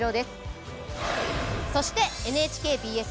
そしてＮＨＫＢＳ